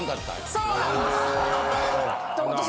そうなんです。